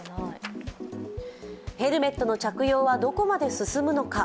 ヘルメットの着用はどこまで進むのか。